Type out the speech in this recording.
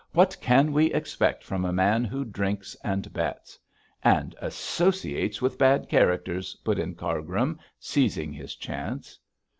'What can we expect from a man who drinks and bets?' 'And associates with bad characters,' put in Cargrim, seizing his chance.